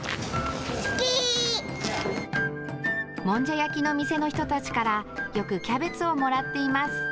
もんじゃ焼きの店の人たちからよくキャベツをもらっています。